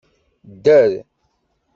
Dder!